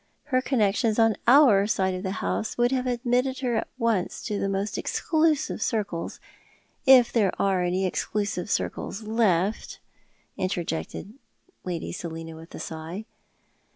Her connections on our side of the house would have admitted her at once to the most exclusive circles — if there are any exclusive circles left," — interjected Lady Selina with a sigh.